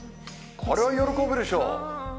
これは喜ぶでしょう。